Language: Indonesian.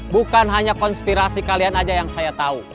bukan hanya konspirasi kalian aja yang saya tahu